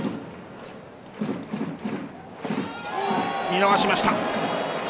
見逃しました。